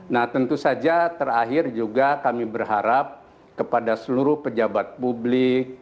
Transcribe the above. nah tentu saja terakhir juga kami berharap kepada seluruh pejabat publik